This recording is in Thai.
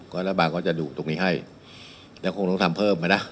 ก็รับบางเขาจะอยู่ตรงนี้ให้แล้วคงต้องทำเพิ่มไปนะ